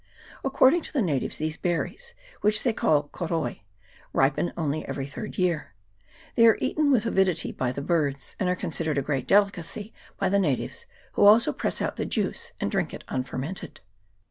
According to the natives, these berries, which they call koroi, ripen only every third year. They are eaten with avidity by the birds, and are considered a great delicacy by the natives, who also press out the juice and drink it unfermented.